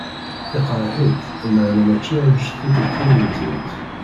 Iqreḥ-itt, maɛna mačči anect n tikelt tamenzut.